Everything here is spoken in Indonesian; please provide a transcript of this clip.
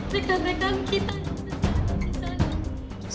bantu kita pegang pegang kita